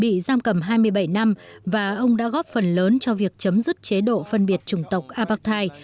bị giam cầm hai mươi bảy năm và ông đã góp phần lớn cho việc chấm dứt chế độ phân biệt chủng tộc abati